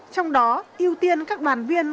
trong đó ưu tiên các đoàn viên